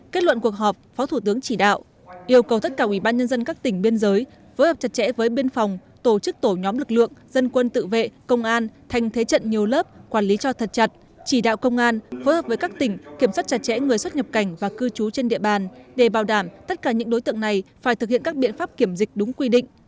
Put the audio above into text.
kết luận cuộc họp phó thủ tướng chỉ đạo yêu cầu tất cả ủy ban nhân dân các tỉnh biên giới phối hợp chặt chẽ với biên phòng tổ chức tổ nhóm lực lượng dân quân tự vệ công an thành thế trận nhiều lớp quản lý cho thật chặt chỉ đạo công an phối hợp với các tỉnh kiểm soát chặt chẽ người xuất nhập cảnh và cư trú trên địa bàn để bảo đảm tất cả những đối tượng này phải thực hiện các biện pháp kiểm dịch đúng quy định